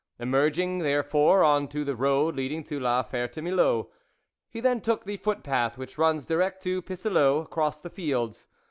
Emerging, therefore, on to the road leading to La Ferte Milou, he then took the footpath which runs direct to Pisseleu across the fields.